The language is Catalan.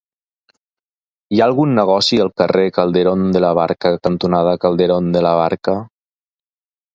Hi ha algun negoci al carrer Calderón de la Barca cantonada Calderón de la Barca?